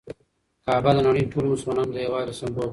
کعبه د نړۍ ټولو مسلمانانو د یووالي سمبول ده.